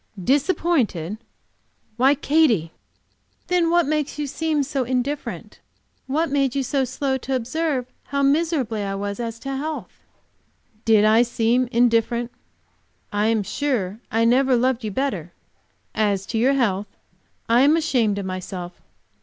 "Disappointed? Why, Katy!" "Then what did make you seem so indifferent? What made you so slow to observe how miserably I was, as to health?" "Did I seem indifferent? I am sure I never loved you better. As to your health, I am ashamed of myself.